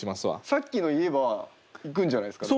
さっきの言えばいくんじゃないですか？